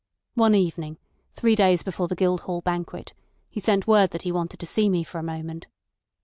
One evening, three days before the Guildhall Banquet, he sent word that he wanted to see me for a moment.